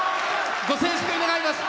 ご静粛に願います。